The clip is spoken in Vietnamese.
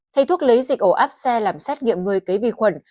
thầy thuốc lấy dịch ổ áp xe làm xét nghiệm một mươi kế vi khuẩn